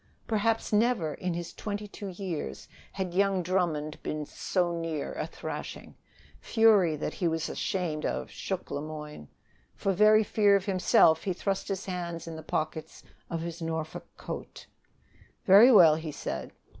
Perhaps never in his twenty two years had young Drummond been so near a thrashing. Fury that he was ashamed of shook Le Moyne. For very fear of himself, he thrust his hands in the pockets of his Norfolk coat. "Very well," he said.